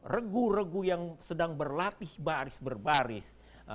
regu regu yang sedang berlatih baris berbaris